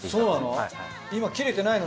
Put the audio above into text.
今切れてないの？